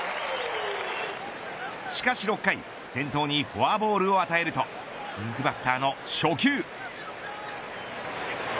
しかし６回先頭にフォアボールを与えると続くバッターの初球。